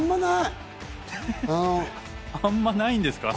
あんまないんですか。